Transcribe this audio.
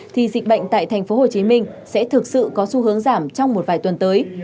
thì dịch bệnh tại tp hcm sẽ thực sự có xu hướng giảm trong một vài tuần tới